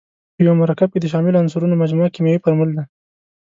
په یو مرکب کې د شاملو عنصرونو مجموعه کیمیاوي فورمول دی.